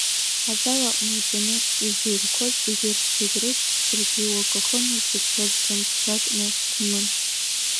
Азал аҟны итәаны иӡырҩқәоз егьырҭ зегь реиԥш, саргьы Иуа Коӷониа дзыԥхьоз срымҽхакны срыман…